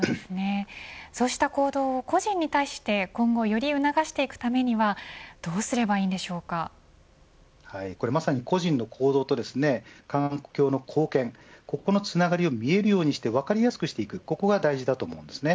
そうした行動を個人に対してより促していくためにはまさに個人の行動と環境の貢献、ここのつながりを見えるようにして分かりやすくしていくということが大事です。